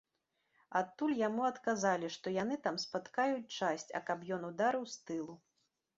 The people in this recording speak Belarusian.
Адтуль яму адказалі, што яны там спаткаюць часць, а каб ён ударыў з тылу.